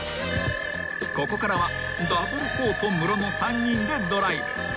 ［ここからはダブルコウとムロの３人でドライブ］